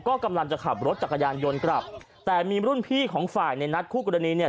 ก็กำลังจะขับรถจักรยานยนต์กลับแต่มีรุ่นพี่ของฝ่ายในนัดคู่กรณีเนี่ย